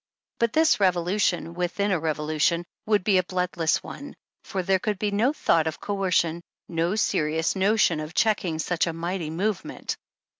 But this revolution within a revolution would be a bloodless one, for there could be no thought of coer cion, no serious notion of checking such a mighty movement.